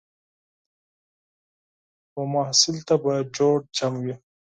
و محصل ته به جوړ چم وي